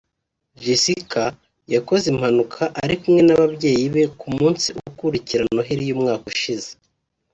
Jessica yakoze impanuka ari kumwe n’ababyeyi be ku munsi ukurikira noheli y’umwaka ushize